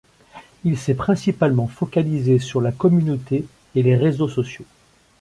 Il s’est principalement focalisé sur la communauté et les réseaux sociaux.